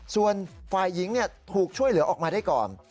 ส่วนฝ่ายหญิงถูกช่วยเหลือออกมาได้ก่อน